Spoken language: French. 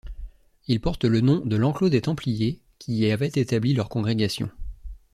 Il porte le nom de l'enclos des Templiers qui y avaient établi leur congrégation.